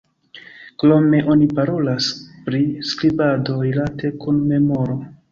Krome oni parolas pri skribado rilate kun memoro.